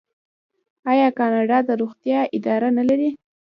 آیا کاناډا د روغتیا اداره نلري؟